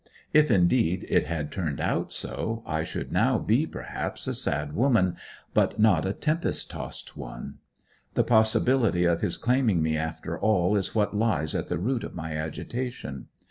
If indeed it had turned out so, I should now be perhaps a sad woman; but not a tempest tossed one ... The possibility of his claiming me after all is what lies at the root of my agitation.